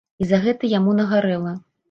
І за гэта яму нагарэла.